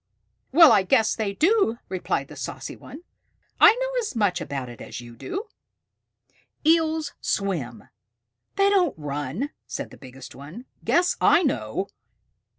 "Well, I guess they do," replied the saucy one. "I know as much about it as you do!" "Eels swim. They don't run," said the biggest one. "Guess I know!"